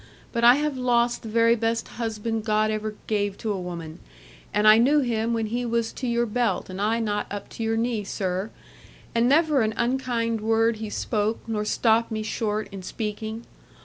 But I have lost the very best husband God ever gave to a woman; and I knew him when he was to your belt, and I not up to your knee, sir; and never an unkind word he spoke, nor stopped me short in speaking.